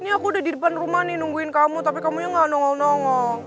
ini aku udah di depan rumah nih nungguin kamu tapi kamunya gak nongol nongol